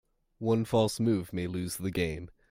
One false move may lose the game.